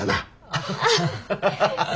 アハハハハ。